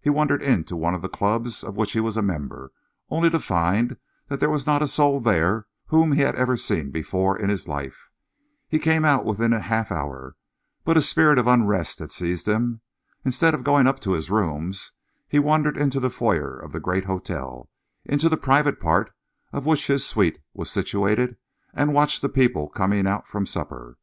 He wandered into one of the clubs of which he was a member, only to find there was not a soul there whom he had ever seen before in his life. He came out within half an hour, but a spirit of unrest had seized him. Instead of going up to his rooms, he wandered into the foyer of the great hotel, in the private part of which his suite was situated, and watched the people coming out from supper.